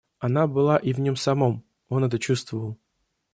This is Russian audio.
Она была и в нем самом — он это чувствовал.